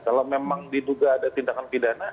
kalau memang diduga ada tindakan pidana